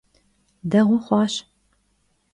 Değue xhuaş.